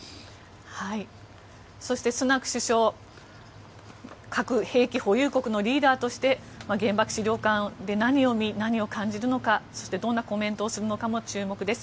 そして、スナク首相核兵器保有国のリーダーとして原爆資料館で何を見、何を感じるのかそしてどんなコメントをするのかも注目です。